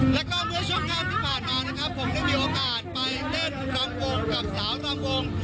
แล้วก็เมื่อช่วงหน้าที่ผ่านมานะครับผมได้มีโอกาสไปเล่นรำวงกับสาวรำวง